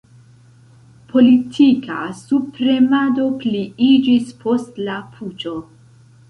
Politika subpremado pliiĝis post la puĉo.